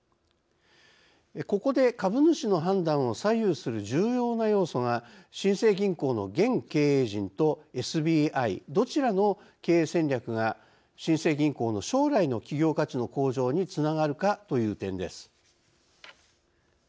ここで株主の判断を左右する重要な要素が新生銀行の現経営陣とＳＢＩどちらの経営戦略が新生銀行の将来の企業価値の向上につながるかという点です。